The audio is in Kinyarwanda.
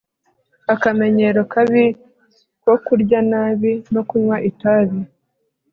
Akamenyero kabi ko kurya nabi no kunywa nabi